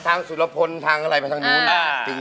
ทางสุรพนธรรมทางอะไรไปทางนู้น